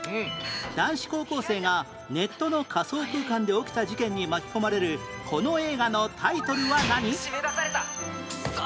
男子高校生がネットの仮想空間で起きた事件に巻き込まれるこの映画のタイトルは何？